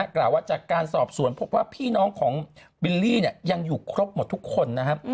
กล่าวว่าจากการสอบสวนพบว่าพี่น้องของบิลลี่ยังอยู่ครบหมดทุกคนนะครับ